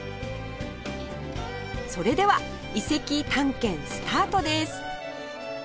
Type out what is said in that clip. それでは遺跡探検スタートです